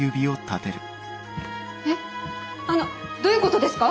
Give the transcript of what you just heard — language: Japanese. えっあのどういうことですか？